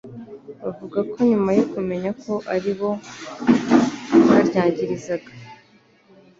bavuga ko nyuma yo kumenya ko ari bo baryangirizaga